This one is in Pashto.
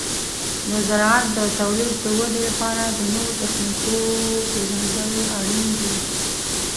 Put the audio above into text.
د زراعت د تولید د ودې لپاره د نوو تخنیکونو پیژندل اړین دي.